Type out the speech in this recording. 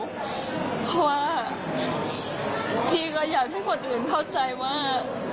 เพราะว่าพี่ก็อยากให้คนอื่นเข้าใจว่า